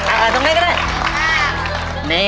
เอาเอาตรงนี้ก็ได้